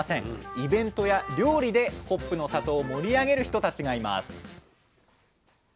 イベントや料理でホップの里を盛り上げる人たちがいます。